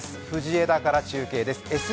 藤枝から中継です。